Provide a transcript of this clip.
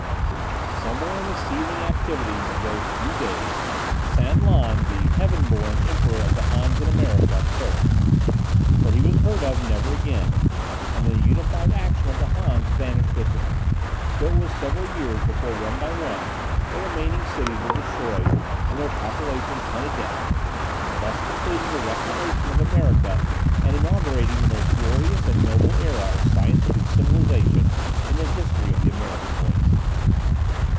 Somewhere in the seething activities of these few days, San Lan, the "Heaven Born," Emperor of the Hans in America, perished, for he was heard of never again, and the unified action of the Hans vanished with him, though it was several years before one by one their remaining cities were destroyed and their populations hunted down, thus completing the reclamation of America and inaugurating the most glorious and noble era of scientific civilization in the history of the American race.